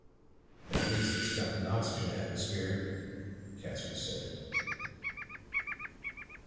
"At least it's got an oxygen atmosphere," Casker said.